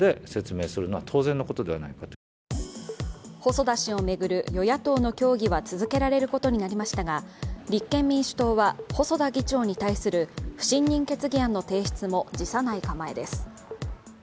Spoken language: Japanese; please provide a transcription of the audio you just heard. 細田氏を巡る与野党の協議は続けられることになりましたが立憲民主党は細田議長に対する不信任決議案の提出も辞さない構えです。